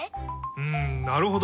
うんなるほど！